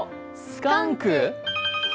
スカンク！